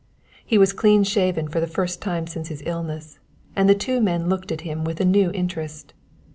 He was clean shaven for the first time since his illness, and the two men looked at him with a new interest.